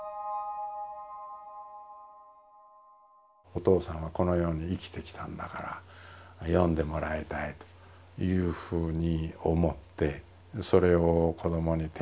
お父さんはこのように生きてきたんだから読んでもらいたいというふうに思ってそれを子どもに手渡した。